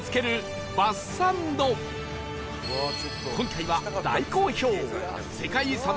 今回は大好評